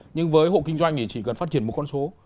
nhưng với hộ kinh doanh thì chỉ cần phát triển một con số